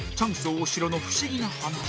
大城の不思議な話